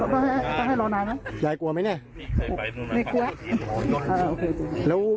ก็ให้ต้องให้รอนานนะยายกลัวไหมเนี่ยไม่กลัวอ่าโอเคแล้ว